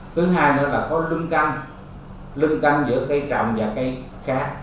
thứ hai nữa là có lưng canh lưng canh giữa cây trồng và cây khác